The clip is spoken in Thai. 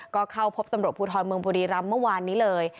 ก็เข้าพบตำรวจภูทรเมืองบุรีรำเมื่อวานนี้เลย